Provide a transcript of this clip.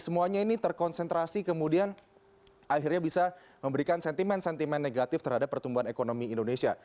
semuanya ini terkonsentrasi kemudian akhirnya bisa memberikan sentimen sentimen negatif terhadap pertumbuhan ekonomi indonesia